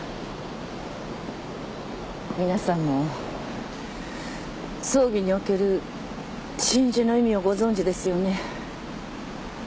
皆さんも葬儀における真珠の意味をご存じですよね。